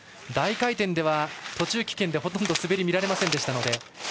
大回転では途中棄権でほとんど滑りが見られませんでした。